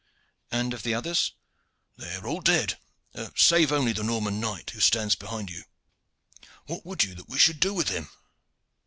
"And of the others?" "They are all dead save only the Norman knight who stands behind you. What would you that we should do with him?"